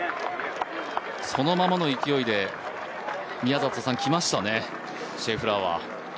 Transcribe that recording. そのままの勢いできましたね、シェフラーは。